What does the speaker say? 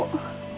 masuk dulu bu